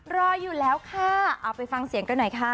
รออยู่แล้วค่ะเอาไปฟังเสียงกันหน่อยค่ะ